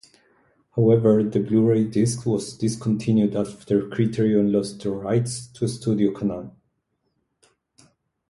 However, the Blu-ray Disc was discontinued after Criterion lost the rights to Studio Canal.